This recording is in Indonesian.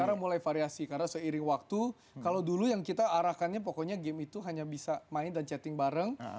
sekarang mulai variasi karena seiring waktu kalau dulu yang kita arahkannya pokoknya game itu hanya bisa main dan chatting bareng